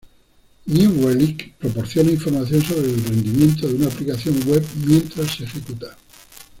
New Relic proporciona información sobre el rendimiento de una aplicación web mientras se ejecuta.